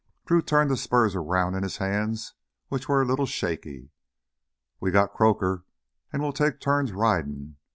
Drew turned the spurs around in hands which were a little shaky. "We got Croaker, and we'll take turns ridin'.